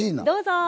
どうぞ！